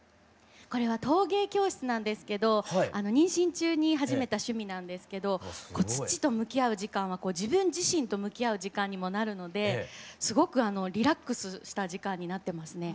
これは陶芸教室なんですけど妊娠中に始めた趣味なんですけど土と向き合う時間は自分自身と向き合う時間にもなるのですごくリラックスした時間になってますね。